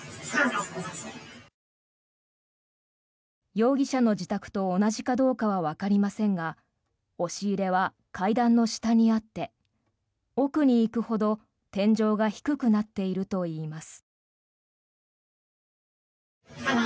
容疑者の自宅と同じかどうかはわかりませんが押し入れは階段の下にあって奥に行くほど、天井が低くなっているといいます。